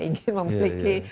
ingin memiliki masa dan